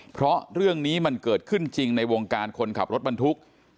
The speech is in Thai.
เพราะเรื่องนี้มันเกิดขึ้นจริงในวงการคนขับรถบรรทุก